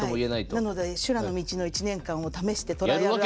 なので修羅の道の１年間を試してトライアンド。